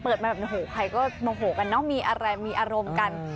มาแบบโอ้โหใครก็โมโหกันเนอะมีอะไรมีอารมณ์กัน